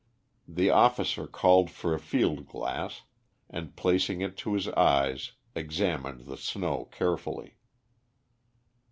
The officer called for a field glass, and placing it to his eyes, examined the snow carefully.